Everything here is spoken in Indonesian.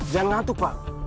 jangan ngantuk pak